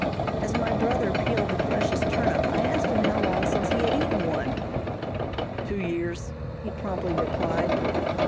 As my brother peeled the precious turnip, I asked him how long since he had eaten one. "Two years," he promptly replied.